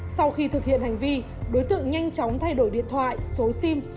sau khi thực hiện hành vi đối tượng nhanh chóng thay đổi điện thoại số sim